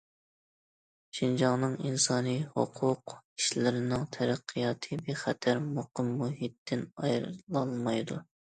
شىنجاڭنىڭ ئىنسانىي ھوقۇق ئىشلىرىنىڭ تەرەققىياتى بىخەتەر، مۇقىم مۇھىتتىن ئايرىلالمايدۇ.